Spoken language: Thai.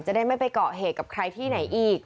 จะได้ไม่ไปเกาะเหตุกับใครที่ไหนอีก